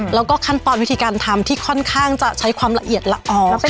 แล้วก็ขั้นตอนวิธีการทำที่ค่อนข้างจะใช้ความละเอียดละออง